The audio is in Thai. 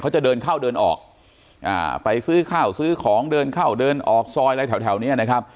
จะเดินเข้าเดินออกไปซื้อข้าวซื้อของเดินเข้าเดินออกซอยอะไรแถวแถวนี้นะครับ